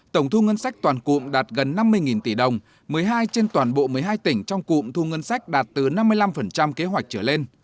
tổng thu ngân sách toàn cụm đạt gần năm mươi tỷ đồng một mươi hai trên toàn bộ một mươi hai tỉnh trong cụm thu ngân sách đạt từ năm mươi năm kế hoạch trở lên